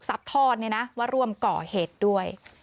ซับท่อนว่าร่วมก่อเหตุด้วย